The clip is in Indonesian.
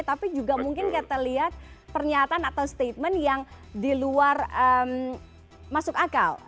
tapi juga mungkin kita lihat pernyataan atau statement yang di luar masuk akal